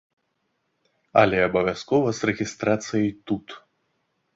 Але абавязкова з рэгістрацыяй тут.